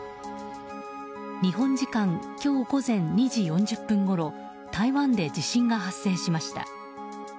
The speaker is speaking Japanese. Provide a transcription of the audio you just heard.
日本時間今日午前２時４０分ごろ台湾で地震が発生しました。